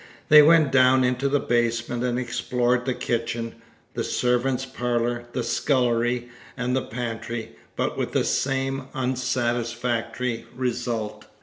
They went down into the basement and explored the kitchen, the servant's parlour, the scullery, and the pantry, but with the same unsatisfactory result.